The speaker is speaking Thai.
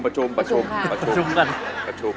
ประชุมก่อน